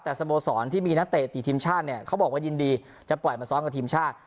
แต่สโมสรที่มีนักเตะติดทีมชาติเนี่ยเขาบอกว่ายินดีจะปล่อยมาซ้อมกับทีมชาติ